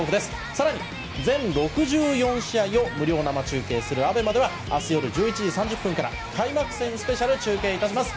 更に全６４試合を無料生中継するＡＢＥＭＡでは明日夜１１時３０分から開幕戦スペシャルを中継します。